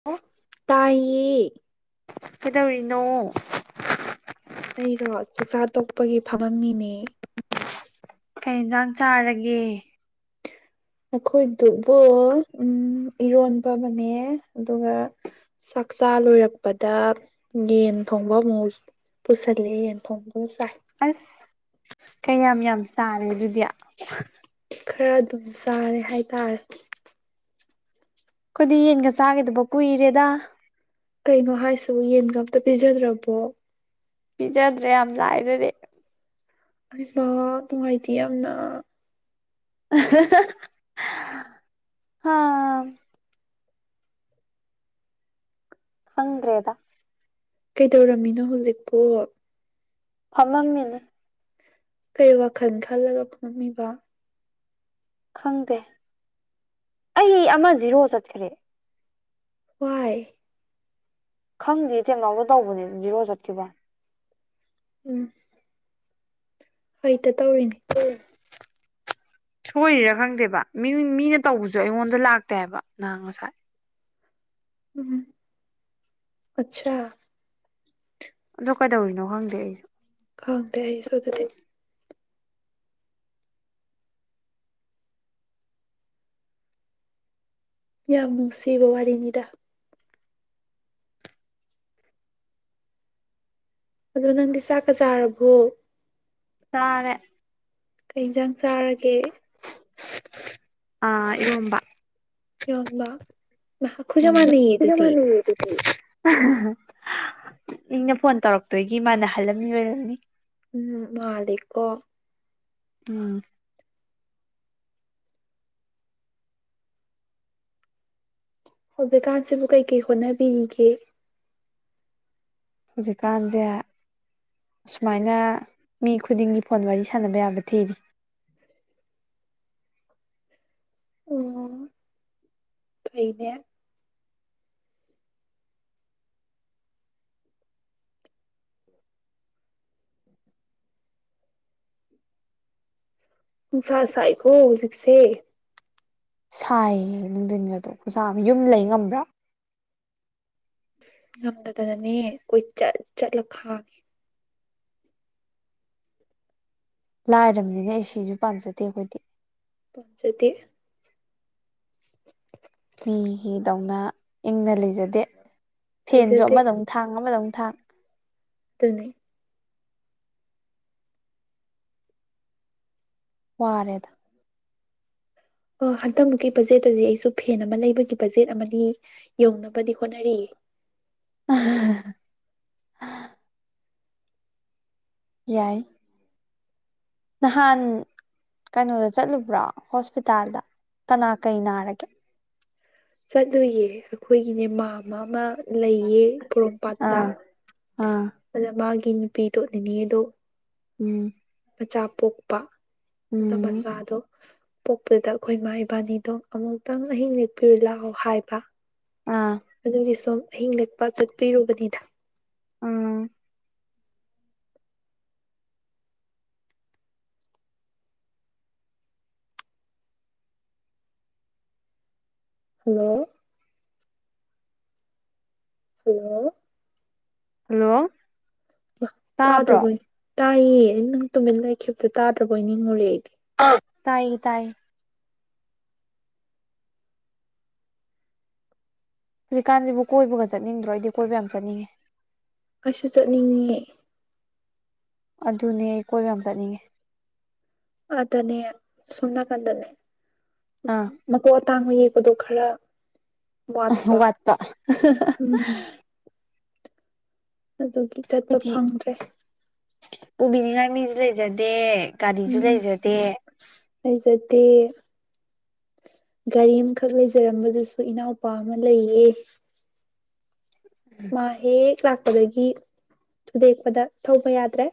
[unintelligible] ꯇꯥꯏꯌꯦ ꯀꯩꯗꯧꯔꯤꯅꯣ ꯑꯩꯔꯣ ꯆꯥꯛꯆꯥ ꯇꯣꯛꯄꯒꯤ ꯐꯝꯃꯝꯃꯤꯅꯦ ꯀꯩ ꯌꯦꯟꯖꯥꯡ ꯆꯥꯔꯒꯦ ꯑꯈꯣꯏꯗꯨꯕꯨ ꯎꯝ ꯏꯔꯣꯟꯕꯑꯃꯅꯦ ꯑꯗꯨꯒ ꯆꯥꯛꯆꯥ ꯂꯣꯏꯔꯛꯄꯗ ꯌꯦꯟ ꯊꯣꯡꯕ ꯑꯃꯨꯛ ꯄꯨꯁꯜꯂꯛꯑꯦ ꯌꯦꯟꯊꯣꯡꯕꯒ ꯆꯥꯏ ꯑꯁ ꯀꯌꯥꯝ ꯌꯥꯝ ꯆꯥꯔꯦ ꯑꯗꯨꯗꯤ ꯈꯔ ꯑꯗꯨꯝ ꯆꯥꯔꯦ ꯍꯥꯏꯇꯥꯔꯦ ꯑꯈꯣꯏꯗꯤ ꯌꯦꯟꯒ ꯆꯥꯒꯦꯗꯕ ꯀꯨꯏꯔꯦꯗ ꯀꯩꯅꯣ ꯍꯥꯏꯁꯤꯕꯨ ꯌꯦꯟꯒ ꯑꯝꯇ ꯄꯤꯖꯗ꯭ꯔꯕꯣ ꯄꯤꯖꯗ꯭ꯔꯦ ꯌꯥꯝ ꯂꯥꯏꯔꯔꯦ ꯍꯥꯏꯕ ꯅꯨꯡꯉꯥꯏꯇꯦ ꯌꯥꯝꯅ ꯑꯍ ꯍ ꯍ ꯍꯍ ꯍꯥꯥ ꯑꯈꯪꯗ꯭ꯔꯦꯗ ꯀꯩꯗꯧꯔꯝꯃꯤꯅꯣ ꯍꯧꯖꯤꯛꯄꯣ ꯐꯝꯃꯝꯃꯤꯅꯤ ꯀꯩ ꯋꯥꯈꯜ ꯈꯜꯂꯒ ꯐꯝꯃꯝꯃꯤꯕ ꯈꯪꯗꯦ ꯑꯩ ꯑꯃ ꯖꯤꯔꯣ ꯆꯠꯈ꯭ꯔꯦ ꯍꯏ ꯈꯪꯗꯦ ꯆꯦꯡꯅꯥꯎꯗ ꯇꯧꯕꯅꯦ ꯖꯤꯔꯣ ꯆꯠꯈꯤꯕ ꯎꯝ ꯍꯩꯇ ꯇꯧꯔꯤꯅꯦ ꯑꯣꯟ ꯁꯣꯏꯔꯤꯔꯥ ꯈꯪꯗꯦꯕ ꯃꯤ ꯃꯤꯅ ꯇꯧꯕꯁꯨ ꯑꯩꯉꯣꯟꯗ ꯂꯥꯛꯇꯦ ꯍꯥꯏꯕ ꯅꯍ ꯉꯁꯥꯏ ꯎꯝ ꯑꯆꯥ ꯑꯗꯣ ꯀꯩꯗꯧꯔꯤꯅꯣ ꯈꯪꯗꯦ ꯑꯩꯁꯦ ꯈꯥꯡꯗꯦ ꯑꯩꯁꯨ ꯑꯗꯨꯗꯤ ꯌꯥꯝ ꯅꯨꯡꯁꯤꯕ ꯋꯥꯔꯤꯅꯤꯗ ꯑꯗꯨꯗ ꯅꯪꯗꯤ ꯆꯥꯛꯀ ꯆꯥꯔꯕꯣ ꯇꯔꯦ ꯀ ꯌꯦ ꯏꯟꯖꯥꯡ ꯆꯥꯔꯒꯦ ꯑꯥ ꯏꯔꯣꯝꯕ ꯌꯣꯟꯕ ꯃꯍꯥꯛꯈ ꯌꯥꯝ ꯃꯥꯟꯅꯩꯌꯦ ꯑꯗꯨꯗꯤ ꯎꯝ ꯊ ꯏꯪꯅ ꯐꯣꯟ ꯇꯧꯔꯛꯇꯣꯏꯒꯤ ꯃꯥꯅ ꯍꯜꯂꯝꯃꯤ ꯑꯣꯏꯔꯝꯅꯤ ꯎꯝ ꯃꯥꯜꯂꯤꯀꯣ ꯎꯝ ꯍꯧꯖꯤꯛꯀꯥꯟꯁꯤꯕꯨ ꯀꯩꯀꯩ ꯍꯣꯠꯅꯕꯤꯔꯤꯒꯦ ꯍꯧꯖꯤꯛꯀꯥꯟꯁꯦ ꯑꯁꯨꯃꯥꯏꯅ ꯃꯤ ꯈꯨꯗꯤꯡꯒꯤ ꯐꯣꯟ ꯋꯥꯔꯤ ꯁꯥꯟꯅꯕ ꯌꯥꯕ ꯊꯤꯔꯤ ꯑꯣ ꯐꯩꯅꯦ ꯁꯥꯁꯥꯏꯀꯣ ꯍꯧꯖꯤꯛꯁꯦ ꯁꯥꯏꯌꯦ ꯅꯨꯡꯊꯤꯟꯒꯗꯣ ꯈꯨꯖꯥ ꯑꯃ ꯌꯨꯝ ꯂꯩ ꯉꯝꯕ꯭ꯔꯥ ꯉꯅꯗꯅꯅꯦ ꯑꯩꯈꯣꯏ ꯆꯠ ꯆꯠꯂ ꯈꯥꯒꯦ ꯂꯥꯏꯔꯕꯅꯤꯅꯦ ꯑꯩ ꯁꯤꯁꯨ ꯄꯥꯟꯖꯗꯦ ꯑꯩꯈꯣꯏꯗꯤ ꯄꯁꯇ ꯃꯤꯒꯤꯗꯧꯅ ꯏꯪꯅ ꯂꯩꯖꯗꯦ ꯐꯦꯟꯁꯨ ꯂꯩꯖꯗꯦ ꯑꯃꯗꯧꯨꯛ ꯊꯥꯡ ꯑꯃꯗꯧꯛ ꯊꯥꯡ ꯑꯗꯨꯅꯤ ꯄꯨꯋꯥꯔꯦꯗ ꯑ ꯍꯟꯗꯛꯃꯨꯛꯀꯤ ꯕꯖꯦꯠꯇꯗꯤ ꯑꯩꯁꯨ ꯐꯦꯟ ꯑꯃ ꯂꯩꯕꯒꯤ ꯕꯖꯦꯠ ꯑꯃꯗꯤ ꯌꯧꯅꯕꯗꯤ ꯍꯣꯠꯅꯔꯤꯌꯦ ꯎ ꯌꯥꯏ ꯅꯍꯥꯟ ꯀꯩꯅꯣꯗ ꯆꯠꯂꯨꯕ꯭ꯔꯣ ꯍꯣꯁꯄꯤꯇꯥꯜꯗ ꯀꯅꯥ ꯀꯩ ꯅꯥꯔꯒꯦ ꯆꯠꯂꯨꯌꯦ ꯑꯩꯈꯣꯏꯒꯤꯅꯦ ꯃꯥ ꯑꯃ ꯑꯃ ꯂꯩꯌꯦ ꯄꯣꯔꯣꯝꯄꯥꯠꯇ ꯑꯥ ꯑꯥ ꯑꯗ ꯃꯥꯒꯤ ꯅꯨꯄꯤꯗꯣ ꯅꯦꯅꯦꯗꯣ ꯎꯝ ꯃꯆꯥ ꯄꯣꯛꯄ ꯑꯗꯣ ꯎꯝ ꯃꯆꯥꯗꯣ ꯄꯣꯛꯄꯗ ꯑꯩꯈꯣꯏ ꯏꯃꯥ ꯏꯕꯥꯅꯤꯗꯣ ꯑꯃꯨꯛꯇꯪ ꯑꯍꯤꯡ ꯂꯦꯛꯄꯤꯌꯨ ꯂꯥꯛꯑꯣ ꯍꯥꯏꯕ ꯑꯥ ꯑꯗꯨꯒꯤ ꯁꯣ ꯑꯍꯤꯡ ꯅꯛꯄ ꯆꯠꯄꯤꯔꯨꯕꯅꯤꯗ ꯎꯝ ꯍꯜꯂꯣ ꯍꯜꯂꯣ ꯍꯜꯂꯣ ꯇꯥꯕ꯭ꯔꯣ ꯇꯥꯗ꯭ꯔꯕꯣꯏꯅꯤ ꯇꯥꯏꯌꯦ ꯅꯪ ꯇꯨꯃꯤꯠ ꯂꯩꯈꯤꯕꯗ ꯇꯥꯗ꯭ꯔꯕꯣꯏ ꯅꯤꯡꯉꯨꯔꯦ ꯑꯩꯗꯤ ꯇꯥꯏ ꯇꯥꯏ ꯍꯧꯖꯤꯛꯀꯥꯟꯁꯤꯕꯨ ꯀꯣꯏꯕꯒ ꯆꯠꯅꯤꯡꯗ꯭ꯔꯣ ꯑꯩꯗꯤ ꯀꯣꯏꯕ ꯌꯥꯝ ꯆꯠꯅꯤꯡꯉꯦ ꯑꯁꯨ ꯆꯠꯅꯤꯡꯉ ꯑꯗꯨꯅꯦ ꯑꯩ ꯀꯣꯏꯕ ꯌꯥꯝ ꯆꯠꯅꯤꯡꯉꯦ ꯑꯗꯨꯗꯅꯦ ꯁꯨꯝꯃ ꯀꯗꯅꯦ ꯑꯥ ꯃꯀꯣꯛ ꯑꯇꯥꯡꯕ ꯌꯦꯛꯄꯗꯣ ꯈꯔ ꯋꯥꯠꯄ ꯎꯝ ꯑꯗꯨꯒꯤ ꯆꯠꯄ ꯑꯩꯈꯣꯏꯗꯤ ꯐꯪꯗ꯭ꯔꯦ ꯄꯨꯕꯤꯅꯤꯡꯉꯥꯏ ꯃꯤꯁꯨ ꯂꯩꯖꯗꯦ ꯒꯥꯔꯤꯁꯨ ꯂꯩꯖꯗꯦ ꯂꯩꯖꯗꯤ ꯒꯥꯔꯤ ꯑꯃꯈꯛ ꯂꯩꯖꯔꯝꯕꯗꯨꯁꯨ ꯏꯅꯥꯎꯄꯥ ꯑꯃ ꯂꯩꯌꯦ ꯃꯥ ꯍꯦꯛ ꯂꯥꯛꯄꯗꯒꯤ ꯊꯨꯗꯦꯛꯄꯗ ꯊꯧꯕ ꯌꯥꯗ꯭ꯔꯦ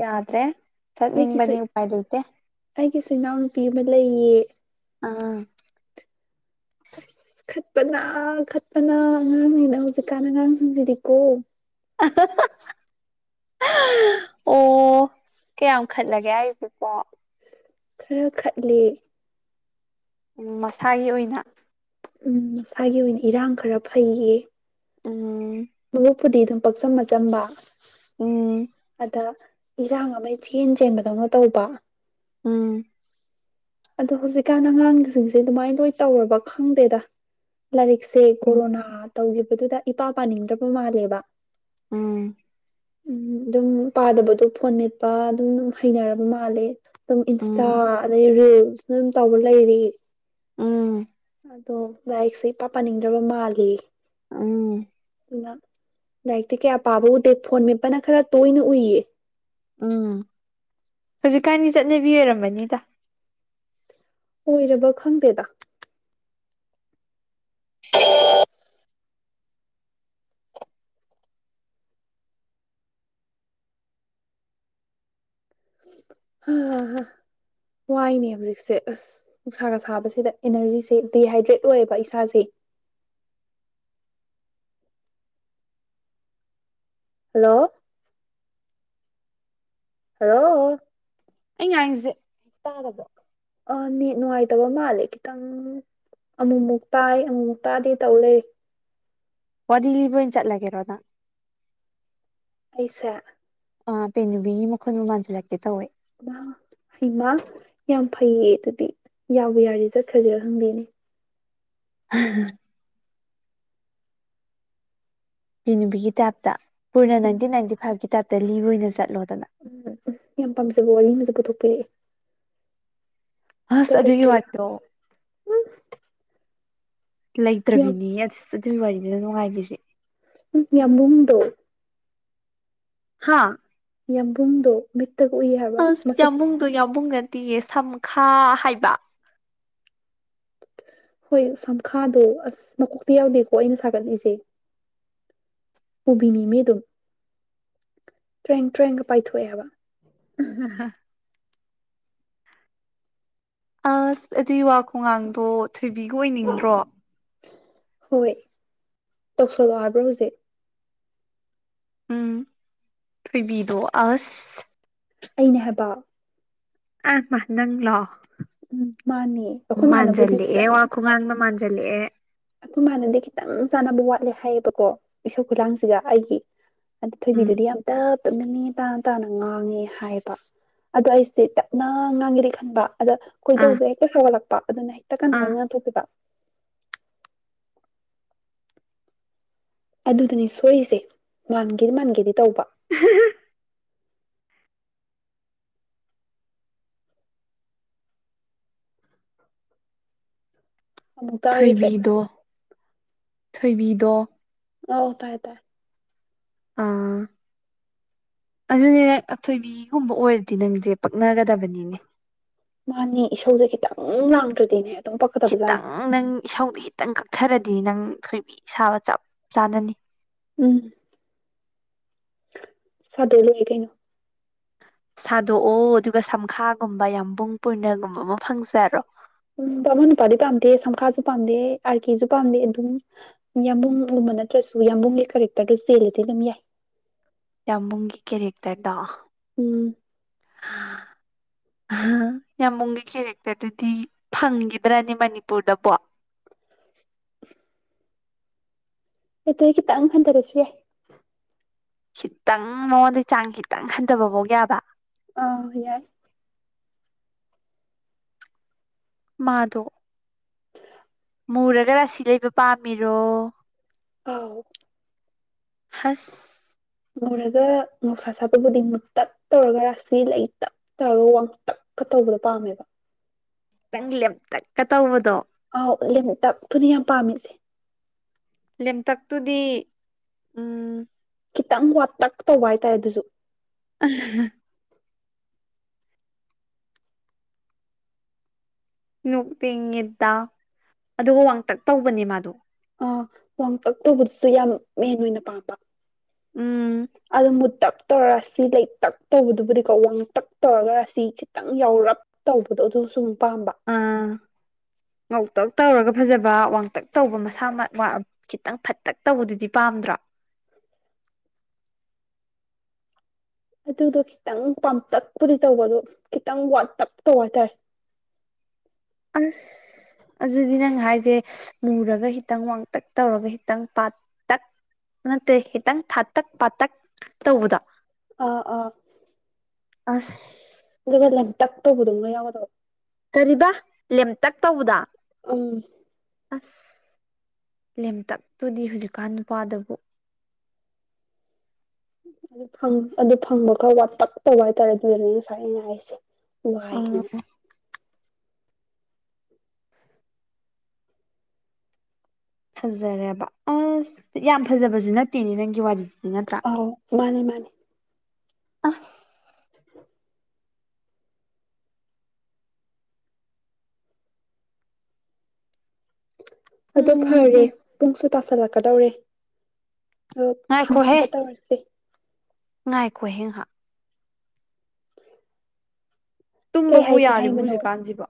ꯌꯥꯗ꯭ꯔꯦ ꯆꯠꯅꯤꯡ ꯑꯩꯒꯤꯁꯨ ꯅꯤꯡꯕꯅꯤ ꯎ ꯄꯥꯏ ꯂꯩ ꯂꯩꯇꯦ ꯑꯩꯒꯤꯁꯨ ꯏꯅꯥꯎꯅꯨꯄꯤ ꯑꯃ ꯂꯩꯌꯦ ꯑꯥ ꯑ ꯈꯠꯄꯅ ꯈꯠꯄꯅ ꯑꯉꯥꯡꯁꯤꯅ ꯍꯧꯖꯤꯛꯀꯥꯟꯗ ꯑꯉꯥꯡꯁꯤꯡꯁꯤꯗꯤꯀꯣ [unintelligible] ꯑꯣ ꯀꯌꯥꯝꯈꯠꯂꯒꯦ ꯑꯩꯁꯤꯀꯣ ꯈꯔ ꯈꯠꯂꯦ ꯎ ꯃꯁꯥꯒꯤ ꯑꯣꯏꯅ ꯎꯝ ꯃꯁꯥꯒꯤ ꯑꯣꯏꯅ ꯏꯔꯥꯡ ꯈꯔ ꯐꯩꯌꯦ ꯎꯝ ꯃꯕꯛꯄꯨꯗꯤ ꯑꯗꯨꯝ ꯄꯥꯛꯆꯝ ꯃꯆꯝꯕ ꯎꯝ ꯑꯗ ꯏꯔꯥꯡ ꯑꯃ ꯆꯦꯟ ꯆꯦꯟꯕꯗꯧꯅ ꯇꯧꯕ ꯎꯝ ꯑꯗꯣ ꯍꯧꯖꯤꯛꯀꯥꯟ ꯑꯉꯥꯡꯁꯤꯡꯁꯦ ꯑꯗꯨꯃꯥꯏꯅ ꯂꯣꯏ ꯇꯧꯔꯕ ꯈꯪꯗꯦꯗ ꯂꯥꯏꯔꯤꯛꯁꯦ ꯎꯝ ꯀꯣꯔꯣꯅꯥ ꯇꯧꯈꯤꯕꯗꯨꯗ ꯏꯄꯥ ꯄꯥꯅꯤꯡꯗ꯭ꯔꯕ ꯃꯥꯜꯂꯦꯕ ꯎꯝ ꯎꯝ ꯑꯗꯨꯝ ꯄꯥꯗꯕꯗꯣ ꯐꯣꯟ ꯃꯦꯠꯄ ꯑꯗꯨꯝꯝ ꯍꯩꯅꯔꯕ ꯃꯥꯜꯂꯦ ꯑꯗꯨꯝ ꯏꯟꯁꯇꯥ ꯎꯝ ꯑꯗꯗꯒꯤ ꯔꯤꯜꯁꯅ ꯑꯗꯨꯝ ꯇꯧꯕ ꯂꯩꯔꯤ ꯎꯝ [unintelligible] ꯄꯥ ꯄꯟꯅꯤꯡꯗ꯭ꯔꯕ ꯃꯥꯜꯂꯤ ꯎꯝ ꯑꯗꯨꯅ ꯂꯥꯏꯔꯤꯛꯇꯤ ꯀꯌꯥ ꯄꯥꯕ ꯎꯗꯦ ꯐꯣꯟ ꯃꯦꯞꯄꯅ ꯈꯔ ꯇꯣꯏꯅ ꯎꯏꯌꯦ ꯎꯝ ꯍꯧꯖꯤꯛꯀꯥꯟꯒꯤ ꯆꯠꯅꯕꯤ ꯑꯣꯏꯔꯝꯕꯅꯤꯗ ꯑꯣꯏꯔꯕ ꯈꯪꯗꯦꯗ ꯍꯥ ꯍꯥꯥ ꯍ ꯋꯥꯏꯅꯦ ꯍꯧꯖꯤꯛꯁꯦ ꯑꯁ ꯅꯨꯡꯁꯥꯒ ꯁꯥꯕꯁꯤꯗ ꯑꯦꯅꯔꯖꯤꯁꯦ ꯗꯤꯍꯥꯏꯗ꯭ꯔꯦꯠ ꯑꯣꯏꯌꯦꯕ ꯏꯁꯥꯁꯦ ꯍꯜꯂꯣ ꯍꯜꯂꯣ ꯑꯩ ꯉꯥꯡꯁꯦ ꯇꯥꯗꯕ꯭ꯔꯣ ꯑ‌ꯣ ꯅ‌ꯦꯠ ꯅꯨꯡꯉꯥꯏꯇꯕ ꯃꯥꯜꯂꯦ ꯈꯤꯇꯪ ꯑꯃꯨꯛꯃꯨꯛ ꯇꯥꯏ ꯑꯃꯨꯛꯃꯨꯛ ꯇꯥꯗꯦ ꯇꯧ ꯂꯩ ꯄꯂꯤꯕ ꯆꯠꯂꯒꯦ ꯑꯗꯥ ꯑꯩꯁꯦ ꯄꯦ ꯅꯨꯕꯤꯒꯤ ꯃꯈꯨꯟꯕꯨ ꯃꯥꯟꯁꯤꯜꯂꯛꯀꯦ ꯇꯧꯋꯦ ꯍꯩꯃꯥ ꯌꯥꯝ ꯐꯩꯌꯦ ꯑꯗꯨꯗꯤ ꯌꯥꯕꯨ ꯌꯥꯔꯗꯤ ꯆꯠꯈ꯭ꯔꯁꯤꯔꯥ ꯈꯪꯗꯦꯅꯦ ꯎꯝꯝ ꯄꯕꯤ ꯅꯨꯕꯤꯒꯤ ꯇꯥꯏꯞꯇ ꯄꯨꯅ ꯅꯥꯏꯟꯇꯤꯟ ꯎꯝ ꯅꯥꯏꯟꯇꯤ ꯐꯥꯏꯚꯀꯤ ꯇꯥꯏꯞꯇ ꯂꯤꯕ ꯑꯣꯏꯅ ꯆꯠꯂꯣꯗꯅ ꯎꯝ ꯎꯝ ꯌꯥꯝ ꯄꯥꯝꯖꯕ ꯋꯥꯡ ꯑꯃꯁꯁꯦ ꯄꯨꯊꯣꯛꯄꯤꯔꯛꯑꯦ ꯍꯁ ꯑꯗꯨꯒꯤ ꯆꯠꯂꯁꯤꯔ ꯋꯥꯗꯣ ꯎꯝ ꯌꯥꯝ ꯂꯩꯇ꯭ꯔꯕꯤꯅꯤ ꯑ ꯑꯗꯨꯒꯤ ꯋꯥꯔꯤꯅꯤꯅ ꯅꯨꯡꯉꯥꯏꯕꯤꯁꯦ ꯌꯥꯝꯃꯨꯡꯗꯣ ꯍꯥ ꯌꯥꯝꯕꯨꯡꯗꯣ ꯃꯤꯠ ꯇꯥꯒ ꯎꯋꯤ ꯍꯥꯏꯕ ꯑꯁ ꯃꯁꯛ ꯌꯥꯝꯕꯨꯡꯗꯣ ꯌꯥꯝꯕꯨꯡ ꯅꯠꯇꯤꯌꯦ ꯁꯝꯈꯥ ꯍꯥꯏꯕ ꯍꯣꯏ ꯁꯝꯈꯥꯗꯣ ꯑꯁ ꯃꯀꯣꯛꯇꯤ ꯌꯥꯎꯗꯦꯀꯣ ꯑꯩꯅ ꯁꯥꯒꯠꯂꯤꯁꯦ ꯎꯕꯤꯅꯤ ꯃꯤ ꯑꯗꯨꯝ ꯇ꯭ꯔꯦꯡ ꯇ꯭ꯔꯦꯡꯒ ꯄꯥꯏꯊꯣꯛꯑꯦꯕ [unintelligible] ꯑꯁ ꯑꯗꯨꯏ ꯋꯥ ꯈꯨꯡꯉꯥꯡꯗꯣ ꯊꯣꯏꯕꯤꯒ ꯑꯣꯏꯅꯤꯡꯗꯔꯣ ꯍꯣꯏ ꯇꯧꯁꯜꯂꯣ ꯍꯥꯏꯕ꯭ꯔꯣ ꯍꯧꯖꯤꯛ ꯎꯝ ꯊꯣꯏꯕꯤꯗꯣ ꯑꯁ ꯑꯩꯅꯦ ꯍꯥꯏꯕ ꯑꯥ ꯃꯥ ꯅꯪꯂꯣ ꯎꯝ ꯃꯥꯅꯦ ꯑꯩꯈꯣꯏ ꯃꯥꯅꯕꯨꯗꯤ ꯃꯥꯟꯖꯜꯂꯦꯑꯦ ꯈꯤꯇꯪ ꯋꯥ ꯈꯨꯉꯥꯡꯗꯣ ꯃꯟꯖꯤꯜ ꯖꯜꯂꯛꯑꯦ ꯑꯈꯣꯏꯃꯥꯟꯅꯗꯤ ꯈꯤꯇꯪ ꯆꯥꯟꯅꯕ ꯋꯥꯠꯂꯦ ꯍꯥꯏꯌꯦꯕꯀꯣ ꯏꯁꯧ ꯈꯨꯂꯥꯡꯁꯤꯒ ꯑꯩꯒꯤ ꯑꯗꯨ ꯎꯝ ꯊꯣꯏꯕꯤꯗꯨꯗꯤ ꯌꯥꯝ ꯇꯞ ꯇꯞꯅ ꯅꯦ ꯇꯥꯅ ꯇꯥꯅ ꯉꯥꯡꯉꯦ ꯍꯥꯏꯕ ꯑꯗꯣ ꯑꯩꯁꯦ ꯇꯞꯅ ꯉꯥꯡꯒꯦꯗꯤ ꯈꯟꯕ ꯑꯗꯥ ꯑꯥ ꯀꯣꯏꯗꯧꯁꯦ ꯍꯦꯛꯇ ꯁꯧꯒꯠꯂꯛꯄ ꯑꯗꯨꯅ ꯍꯦꯛꯇꯥ ꯀꯟ ꯀꯟ ꯑꯥ ꯉꯥꯡꯊꯣꯛꯄꯤꯕ ꯑꯗꯨꯗꯅꯦ ꯁꯣꯏꯔꯤꯁꯦ ꯃꯥꯟꯒꯦ ꯃꯥꯟꯒꯦꯗꯤ ꯇꯧꯕ ꯑꯃꯨꯛ ꯇꯥꯈꯤꯗ꯭ꯔꯦ ꯊꯣꯏꯕꯤꯗꯣ ꯊꯣꯏꯕꯤꯗꯣ ꯑꯣ ꯇꯥꯏ ꯇꯥꯏ ꯑꯥ ꯑꯗꯨꯅꯦ ꯅꯪ ꯑꯊꯣꯏꯕꯤꯒꯨꯝꯕ ꯑꯣꯏꯔꯗꯤ ꯅꯪꯖꯦ ꯄꯛꯅꯒꯗꯕꯅꯤꯅꯦ ꯃꯥꯅꯦ ꯏꯁꯧꯖꯦ ꯈꯤꯇꯪ ꯂꯥꯡꯗ꯭ꯔꯗꯤꯅꯦ ꯑꯗꯨꯝ ꯄꯛꯀꯗꯕꯖꯥꯠꯅꯤ ꯈꯤꯇꯪ ꯅꯪ ꯏꯁꯧꯗꯣ ꯈꯤꯇꯪ ꯀꯛꯊꯥꯔꯗꯤ ꯅꯪ ꯊꯣꯏꯕꯤ ꯁꯥꯕ ꯆꯞ ꯆꯥꯅꯅꯤ ꯎꯝ ꯁꯥꯗꯣ ꯂꯣꯏꯔꯦ ꯀꯩꯅꯣ ꯁꯥꯗꯣꯛꯑꯣ ꯑꯗꯨꯒ ꯁꯝꯈꯥꯒꯨꯝꯕ ꯌꯥꯝꯕꯨꯡ ꯄꯨꯔꯅꯒꯨꯝꯕ ꯑꯃ ꯐꯪꯖꯔꯣ ꯎꯝ ꯕꯃꯣꯟ ꯅꯨꯄꯥꯗꯤ ꯄꯥꯝꯗꯦ ꯁꯝꯈꯥꯁꯨ ꯄꯥꯝꯗꯦ ꯑꯥꯔ ꯀꯁꯨ ꯄꯥꯝꯗꯦ ꯑꯗꯨꯝ ꯌꯥꯝꯕꯨꯡꯒꯨꯝꯕ ꯅꯠꯇ꯭ꯔꯖꯨ ꯌꯥꯝꯕꯨꯡꯒꯤ ꯀꯦꯔꯦꯛꯇꯔꯗꯣ ꯆꯦꯜꯂꯗꯤ ꯑꯗꯨꯝ ꯌꯥꯏ ꯌꯥꯝꯕꯨꯡꯒꯤ ꯀꯦꯔꯦꯛꯇꯔꯗꯣ ꯎꯝ [inaudible] ꯌꯥꯝꯃꯨꯡꯒꯤ ꯀꯦꯔꯦꯛꯇꯔꯗꯨꯗꯤ ꯐꯪꯒꯤꯗ꯭ꯔꯥꯅꯦ ꯃꯅꯤꯄꯨꯔꯗꯕꯣ ꯑꯗꯩ ꯈꯤꯇꯪ ꯍꯟꯊꯔꯁꯨ ꯌꯥꯏ ꯈꯤꯇꯪ ꯃꯉꯣꯟꯗꯩ ꯆꯥꯡ ꯈꯤꯇꯪ ꯍꯟꯊꯕꯐꯥꯎ ꯌꯥꯕ ꯑꯥ ꯌꯥꯏ ꯃꯥꯗꯣ ꯃꯨꯔꯒ ꯔꯥꯁꯤ ꯂꯩꯕ ꯄꯥꯝꯃꯤꯔꯣ ꯑꯥꯎ ꯍꯁ ꯉꯧꯔꯒ ꯉꯧꯁꯥ ꯁꯥꯠꯄꯕꯨꯗꯤ ꯃꯨ ꯇꯞ ꯇꯧꯔꯒ ꯔꯥꯁꯤ ꯂꯩ ꯇꯞ ꯇꯧꯔꯒ ꯋꯥꯡꯇꯞꯀꯥ ꯇꯧꯕꯗꯣ ꯄꯥꯝꯃꯦꯕ ꯈꯤꯇꯪ ꯂꯦꯝꯇꯛꯀꯥ ꯇꯧꯕꯗꯣ ꯑꯥꯎ ꯂꯦꯝꯇꯞꯇꯨꯅꯤ ꯌꯥꯝ ꯄꯥꯝꯃꯤꯁꯦ ꯂꯦꯝꯇꯛꯇꯨꯗꯤ ꯎꯝ ꯈꯤꯇꯪ ꯋꯥꯇꯛ ꯇꯧꯕ ꯍꯥꯏꯇꯥꯏ ꯑꯗꯨꯁꯨ [unintelligible] ꯅꯣꯛꯅꯤꯡꯉꯦꯗꯥ ꯑꯗꯨꯒ ꯋꯥꯡꯇꯛ ꯇꯧꯕꯅꯦ ꯃꯥꯗꯣ ꯑꯥ ꯋꯥꯡ ꯇꯛ ꯇꯧꯕꯗꯨꯁꯨ ꯌꯥꯝ ꯃꯦꯟ ꯑꯣꯏꯅ ꯄꯥꯝꯕ ꯎꯝ ꯑꯗ ꯃꯨꯠꯇꯞ ꯇꯧꯔꯥꯁꯤ ꯂꯩ ꯇꯛ ꯇꯧꯕꯗꯨꯕꯨꯗꯤꯀꯣ ꯋꯥꯡ ꯇꯛ ꯇꯧꯔꯒꯥꯔꯁꯤ ꯈꯤꯇꯪ ꯌꯥꯎꯔꯞ ꯇꯧꯕꯗꯣ ꯑꯗꯨ ꯁꯨꯝ ꯄꯥꯝꯕ ꯑꯥ ꯉꯧꯇꯛ ꯇꯧꯔꯒ ꯐꯖꯕ ꯋꯥꯡꯇꯛ ꯇꯧꯕ ꯃꯁꯥꯃꯛ ꯋꯥ ꯈꯤꯇꯪ ꯐꯠꯇꯛ ꯇꯧꯕꯗꯨꯗꯤ ꯄꯥꯝꯗ꯭ꯔꯣ ꯑꯗꯨꯗꯣ ꯈꯤꯇꯪ ꯄꯝꯇꯛꯄꯨꯗꯤ ꯇꯧꯕꯗꯣ ꯈꯤꯇꯪ ꯋꯥ ꯇꯞ ꯇꯧ ꯍꯥꯏꯇꯥꯔꯦ ꯑꯟ ꯑꯗꯨꯗꯤ ꯅꯪ ꯍꯥꯏꯁꯦ ꯃꯨꯔꯒ ꯈꯤꯇꯪ ꯋꯥꯡꯇꯛ ꯇꯧꯔꯒ ꯈꯤꯇꯪ ꯄꯥꯇꯛ ꯅꯠꯇꯦ ꯈꯤꯇꯪ ꯊꯥꯇꯛ ꯄꯥꯇꯛ ꯇꯧꯕꯗꯣ ꯑ ꯑꯥ ꯑꯁ ꯑꯗꯨꯒ ꯂꯝ ꯇꯛ ꯇꯕꯨꯗꯝꯒ ꯌꯥꯎꯒꯗꯕ ꯀꯔꯤꯕ ꯂꯦꯝꯇꯛ ꯇꯧꯕꯗ ꯎꯝ ꯑꯁ ꯂꯦꯝꯇꯛꯇꯨꯗꯤ ꯍꯧꯖꯤꯛꯀꯥꯟ ꯅꯨꯄꯥꯗꯕꯨ ꯑꯗꯨ ꯑꯗꯨ ꯐꯪꯕ ꯈꯔ ꯋꯥꯇꯞ ꯇꯧꯕ ꯍꯥꯏꯇꯥꯔꯦ ꯑꯗꯨꯗꯅꯦ ꯉꯁꯥꯏ ꯑꯩꯅ ꯍꯥꯏꯁꯦ ꯑ ꯋꯥꯏ ꯐꯖꯔꯦꯔꯕ ꯑꯁ ꯌꯥꯝ ꯐꯖꯕꯁꯨ ꯅꯠꯇꯦꯅꯦ ꯅꯪꯒꯤ ꯋꯥꯔꯤꯁꯦ ꯑ ꯃꯥꯅꯦ ꯃꯥꯅꯦ ꯑꯁ ꯑꯗꯨ ꯎꯝ ꯐꯔꯦ ꯍꯨꯝ ꯄꯨꯡꯁꯨ ꯇꯁꯤꯜꯂꯛꯀꯗꯧꯔꯦ ꯑꯣ ꯊꯝꯒ ꯇꯧꯔꯁꯤꯦ ꯉꯥꯏꯈꯣꯍꯤꯡꯍꯥꯛ ꯀꯩ ꯇꯨꯝꯕꯕꯨ ꯍꯥꯏꯒꯦ ꯌꯥꯔꯤꯕ ꯍꯥꯏꯕꯅꯣ ꯍꯧꯖꯤꯛꯀꯥꯟꯁꯤꯕ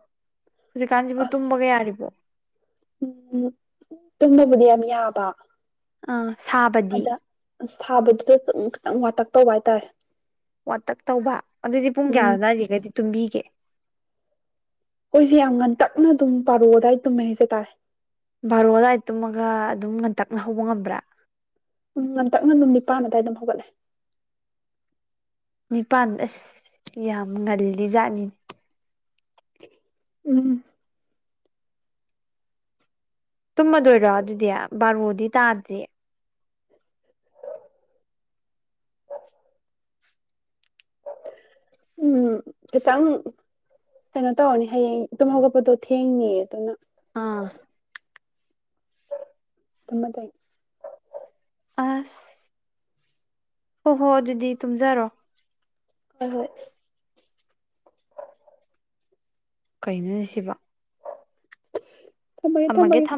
ꯍꯧꯖꯤꯛꯀꯥꯟꯁꯤꯕꯨ ꯑꯁ ꯇꯨꯝꯕꯒ ꯌꯥꯔꯤꯕꯣ ꯎꯝ ꯇꯨꯝꯕꯕꯨꯗꯤ ꯌꯥꯝ ꯌꯥꯕ ꯑ ꯁꯥꯕꯗꯤ ꯑꯗ ꯁꯥꯕꯗꯨꯗ ꯈꯤꯇꯪ ꯋꯥꯇꯛ ꯇꯧꯕ ꯍꯥꯏꯇꯥꯔꯦ ꯋꯥꯇꯛ ꯇꯧꯕ ꯑꯗꯨꯗꯤ ꯄꯨꯡ ꯎꯝ ꯀꯌꯥꯗ ꯏꯔꯤꯒꯩꯗꯤ ꯇꯨꯝꯕꯤꯒꯦ ꯑꯩꯈꯣꯏꯦ ꯌꯥꯝ ꯉꯟꯇꯛꯅ ꯑꯗꯨꯝ ꯄꯥꯔꯛꯑꯣ ꯑꯗꯨꯗꯥꯏꯗ ꯇꯨꯝꯃꯦ ꯍꯥꯏꯖ ꯇꯥꯔꯦ ꯕꯥꯔꯣ ꯑꯗꯨꯋꯥꯏꯗ ꯇꯨꯝꯃꯒ ꯑꯗꯨꯝ ꯉꯟꯇꯛꯅ ꯍꯧꯕ ꯉꯝꯕ꯭ꯔꯥ ꯉꯟꯇꯛꯅ ꯑꯗꯨꯝ ꯅꯤꯄꯥꯟ ꯑꯗꯨꯗꯥꯏ ꯑꯗꯨꯝ ꯍꯧꯒꯠꯂꯦ ꯅꯤꯄꯥꯟ ꯑꯁ ꯌꯥꯝ ꯉꯜꯂꯤ ꯖꯥꯠꯅꯤꯅꯦ ꯎꯝ ꯇꯨꯝꯃꯗꯣꯏꯔꯣ ꯑꯗꯨꯗꯤ ꯕꯥꯔꯃꯣꯗꯤ ꯇꯥꯗ꯭ꯔꯤ [unintelligible] ꯎꯝ ꯈꯤꯇꯪ ꯀꯩꯅꯣ ꯇꯧꯔꯅꯤ ꯍꯌꯦꯡ ꯇꯨꯝ ꯍꯧꯒꯠꯄꯗꯣ ꯊꯦꯡꯅꯤꯌꯦ ꯑꯗꯨꯅ ꯑꯥ [unintelligible] ꯑꯁ ꯍꯣꯏ ꯍꯣ ꯑꯗꯨꯗꯤ ꯇꯨꯝꯖꯔꯣ ꯍꯣꯏ ꯍꯣꯏ ꯀꯩꯅꯣꯅꯦꯁꯤꯕꯣ ꯊꯝꯃꯒꯦ ꯊꯝꯃꯒꯦ